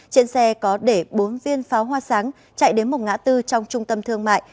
trên xe có để bốn viên pháo hoa sáng chạy đến một ngã tư trong trung tâm thương mại